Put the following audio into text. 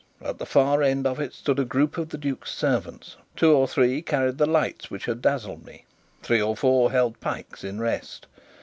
At the far end of it stood a group of the duke's servants; two or three carried the lights which had dazzled me, three or four held pikes in rest.